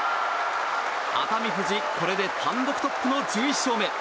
熱海富士、これで単独トップの１１勝目。